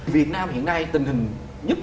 việt nam hiện nay tình hình nhất